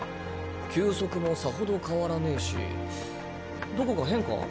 球速もさほど変わらねえしどこか変か？